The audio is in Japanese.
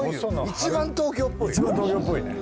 一番東京っぽいね。